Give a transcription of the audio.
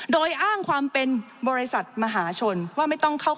โดยอ้างความเป็นบริษัทมหาชนว่าไม่ต้องเข้า